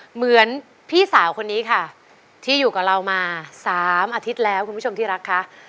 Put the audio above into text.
เหมือนพี่สาวคนนี้ค่ะที่อยู่กับเรามา๓อาทิตย์แล้วคุณผู้ชมที่รักคะ